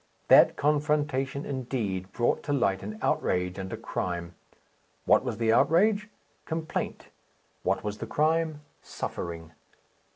That confrontation, indeed, brought to light an outrage and a crime. What was the outrage? Complaint. What was the crime? Suffering.